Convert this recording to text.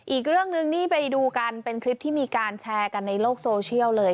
อีกเรื่องหนึ่งนี่ไปดูกันเป็นคลิปที่มีการแชร์กันในโลกโซเชียลเลย